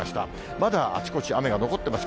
まだあちこち雨が残ってます。